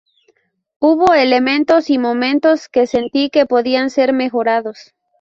Hubo elementos y momentos que sentí que podían ser mejorados.